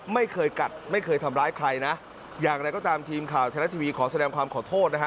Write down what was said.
ไม่เคยกัดไม่เคยทำร้ายใครนะอย่างไรก็ตามทีมข่าวไทยรัฐทีวีขอแสดงความขอโทษนะฮะ